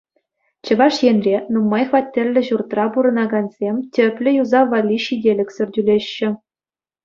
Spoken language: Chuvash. Чӑваш Енре нумай хваттерлӗ ҫуртра пурӑнакансем тӗплӗ юсав валли ҫителӗксӗр тӳлеҫҫӗ.